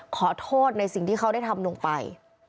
ขอโทษในสิ่งที่เขาได้ทำลงไป